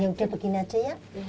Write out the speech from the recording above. ya udah begini aja ya